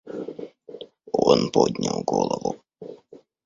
Он поднял голову.